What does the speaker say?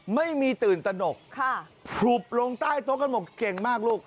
ไม่มีตื่นตนกผลุบลงใต้โต๊ะกันหมดเก่งมากลูก